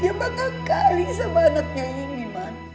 dia bangga kali sama anaknya ini man